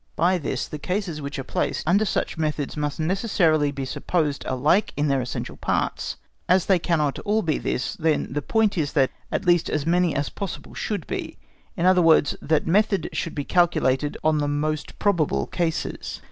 By this the cases which are placed under such methods must necessarily be supposed alike in their essential parts. As they cannot all be this, then the point is that at least as many as possible should be; in other words, that Method should be calculated on the most probable cases.